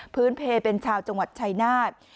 พื้นเพลเป็นชาวจังหวัดชัยนาธิ์